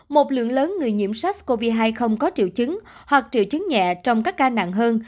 một lượng lớn người nhiễm sars cov hai không có triệu chứng hoặc triệu chứng nhẹ trong các ca nặng hơn